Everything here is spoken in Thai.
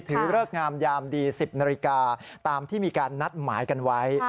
เริกงามยามดี๑๐นาฬิกาตามที่มีการนัดหมายกันไว้